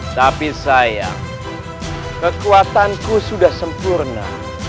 tapi sayang kekuatanku sudah sempurna